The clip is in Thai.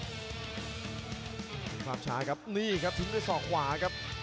เป็นภาพช้าครับนี่ครับทิ้งด้วยศอกขวาครับ